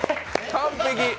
完璧。